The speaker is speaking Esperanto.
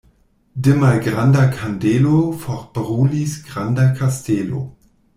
De malgranda kandelo forbrulis granda kastelo.